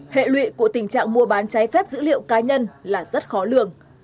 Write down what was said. hệ lụy của tình trạng mua bán trái phép dữ liệu cá nhân là rất khó lường